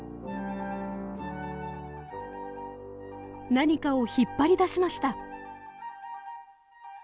何かを引っ張り出しました。